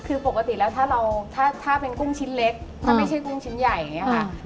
คือปกติแล้วถ้าเราถ้าเป็นกุ้งชิ้นเล็กถ้าไม่ใช่กุ้งชิ้นใหญ่อย่างนี้ค่ะ